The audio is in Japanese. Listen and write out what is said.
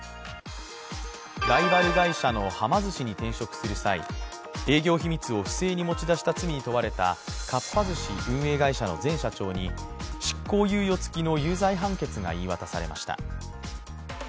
ライバル会社のはま寿司に転職する際、営業秘密を不正に持ち出したとする罪に問われたかっぱ寿司運営会社の前社長に執行猶予付きの有罪判決が言い渡されました。